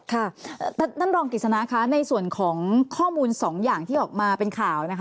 ค่ะท่านรองกิจสนาคะในส่วนของข้อมูลสองอย่างที่ออกมาเป็นข่าวนะคะ